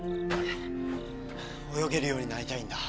泳げるようになりたいんだ。